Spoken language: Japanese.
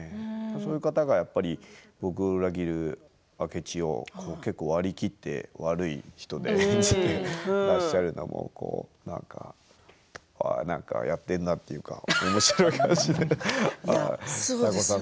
そういう方が、やっぱり僕を裏切る明智を結構、割り切って悪い人で演じていらっしゃるのをなんか、やってんなというかおもしろい感じで酒向さん